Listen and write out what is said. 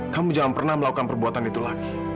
kamu jangan pernah melakukan perbuatan itu lagi